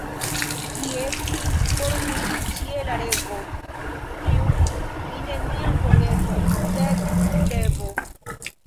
Ĝi estis por mi ĉiela revo, kiun mi neniam forgesos, sed nur revo.